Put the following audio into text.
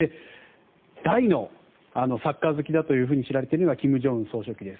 大のサッカー好きだと知られているのが金正恩総書記です。